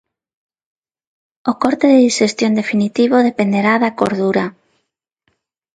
O corte de dixestión definitivo dependerá da cordura.